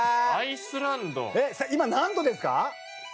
えっ今何度ですか？